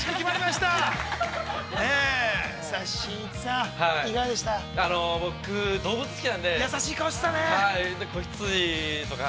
しんいちさん、いかがでしたか。